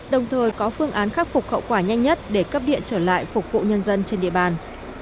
đồng thời có phương án khắc phục hậu quả nhanh nhất để cấp điện trở lại phục vụ nhân dân trên địa bàn